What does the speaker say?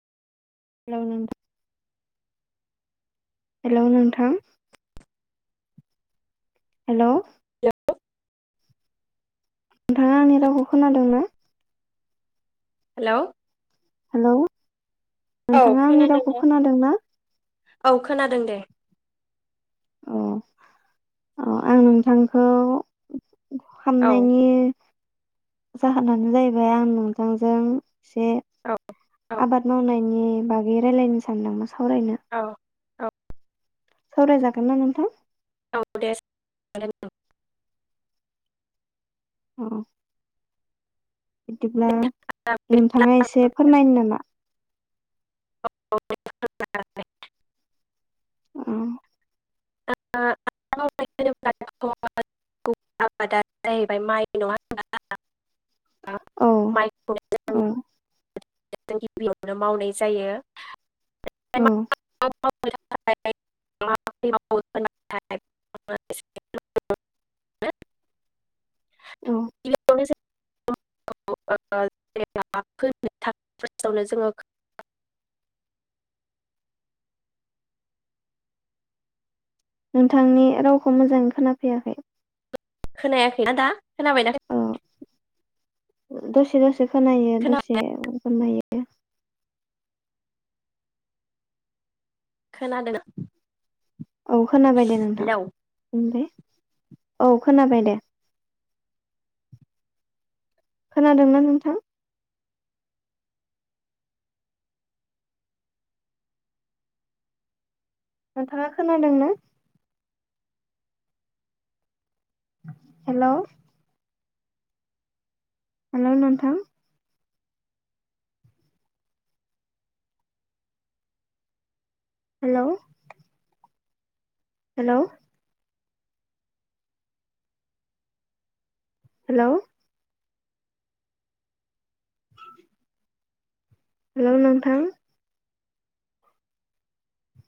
Hello नोंथां। Hello नोंथां। Hello. Hello नोंथाङा आंनि रावखौ खोनादों ना? हेलौ। हेलौ। औ नोंथाङा आंनि रावखौ खोनादोंना? खोनादों ना? औ खोनादों दे। औ औ आं नोंथांखौ औ हामनायनि जाहोनानो जाहैबाय आं नोंथांजों ए औ आबाद मावनाय नि बागै रायलायनो सानदोंमोन। सावरायनो औ औ सावरायजागोन ना नोंथां औ दे [unintelligible] औ बिदिब्ला नोंथाङा एसे फोरमायनो नामा [unintelligible] उम [unintelligible] जाहैबाय माइ नङा होनबा औ माइखौनो जों औ जों गिबियावनो मावनाय जायो। औ [unintelligible] औ [unintelligible] जोङो नोंथांनि रावखौ मोजाङै खोनाफैयाखै खोनायाखैना दा खोनाबायना औ खोनाया दसे दसे खोनायो खोना दसे दायो। खोनादों। औ खोनाबाय दे नोंथां हेलौ बुंदे औ खोनाबाय दे खोनादोंना नोंथां नोंथाङा खोनादों ना हेलौ हेलौ नोंथां हेलौ हेलौ हेलौ [unintelligible] हेलौ नोंथां